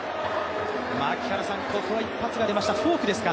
ここは一発が出ました、フォークですか。